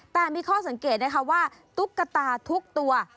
แต่มีข้อสังเกตนะคะว่าตุ๊กตาทุกตัว